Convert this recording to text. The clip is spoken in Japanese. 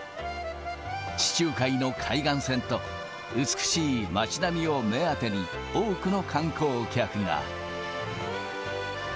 地中海の海岸線と、美しい街並みを目当てに、多くの観光客が。